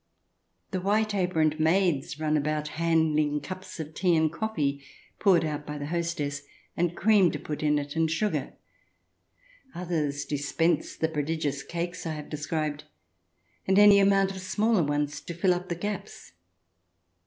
The white aproned maids run about handing cups of tea and coflfee, poured out by the hostess, and cream to put in it, and sugar ; others dispense the prodigious cakes I have described, and any amount of smaller ones to fill up the gaps.